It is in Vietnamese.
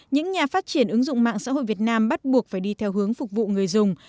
những nhà phát triển ứng dụng mạng xã hội việt nam bắt buộc phải đi theo hướng phục vụ người dùng